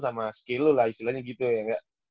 sama skill lu lah istilahnya gitu ya